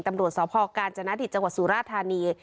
ตำรวจสอบภอการณ์จนาดิตจังหวัดสุราธารณี